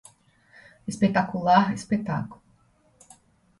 Espetacular espetáculo